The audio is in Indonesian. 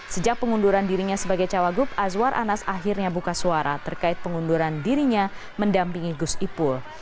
sejak pengunduran dirinya sebagai cawagup azwar anas akhirnya buka suara terkait pengunduran dirinya mendampingi gus ipul